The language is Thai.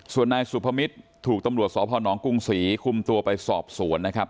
ส่วนนายสุพมิตรถูกตำรวจสพนกรุงศรีคุมตัวไปสอบสวนนะครับ